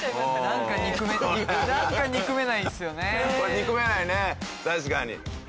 確かに。